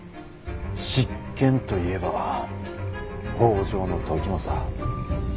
執権といえば北条時政。